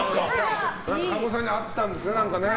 加護さんに合ったんですね。